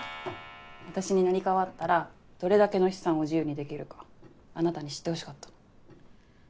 私に成り代わったらどれだけの資産を自由に出来るかあなたに知ってほしかったの。